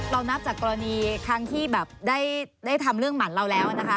นับจากกรณีครั้งที่แบบได้ทำเรื่องหั่นเราแล้วนะคะ